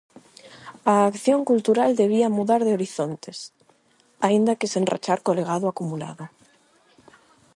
A acción cultural debía mudar de horizontes, aínda que sen rachar co legado acumulado.